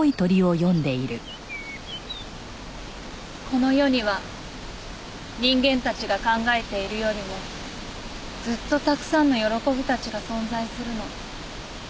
「この世には人間たちが考えているよりもずっとたくさんの“よろこび”たちが存在するの」